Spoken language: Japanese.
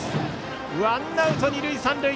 ワンアウト、二塁三塁。